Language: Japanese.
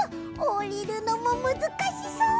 おりるのもむずかしそう！